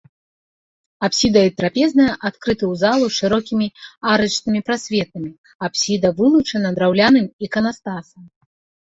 Апсіда і трапезная адкрыты ў залу шырокімі арачнымі прасветамі, апсіда вылучана драўляным іканастасам.